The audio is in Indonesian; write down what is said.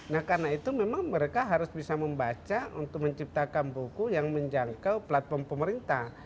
nah karena itu memang mereka harus bisa membaca untuk menciptakan buku yang menjangkau platform pemerintah